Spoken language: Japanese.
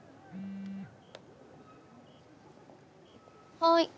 はい。